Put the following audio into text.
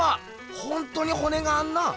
ほんとにほねがあんな！